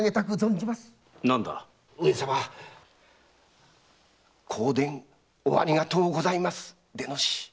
香典おありがとうございますでのし。